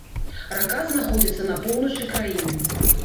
Рака знаходзіцца на поўначы краіны.